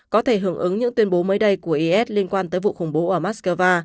có thể hưởng ứng những tuyên bố mới đây của is liên quan tới vụ khủng bố ở moscow